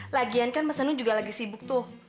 lagian kan mas danung juga lagi sibuk tuh